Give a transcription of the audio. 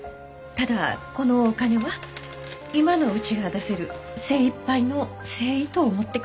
ただこのお金は今のうちが出せる精いっぱいの誠意と思ってください。